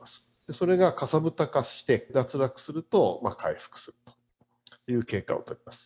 それがかさぶた化して、脱落すると回復するという経過をとります。